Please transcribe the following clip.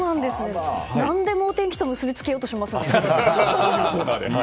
何でも天気と結び付けようとしますね。